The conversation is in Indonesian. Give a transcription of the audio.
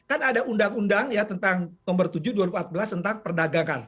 kan ada undang undang ya tentang nomor tujuh dua ribu empat belas tentang perdagangan